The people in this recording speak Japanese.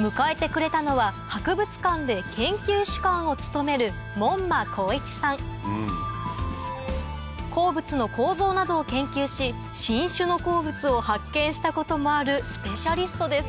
迎えてくれたのは博物館で研究主幹を務める鉱物の構造などを研究し新種の鉱物を発見したこともあるスペシャリストです